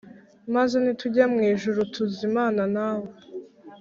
Maze, ni tujya mw ijuru, TuzImana na We.